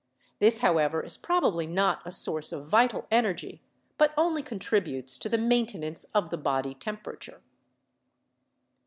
This, however, is probably not a source of vital energy, but only contributes to the maintenance of the body temperature.